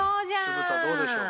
酢豚どうでしょう？